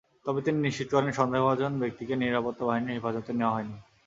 তবে তিনি নিশ্চিত করেন, সন্দেহভাজন ব্যক্তিকে নিরাপত্তা বাহিনীর হেফাজতে নেওয়া হয়নি।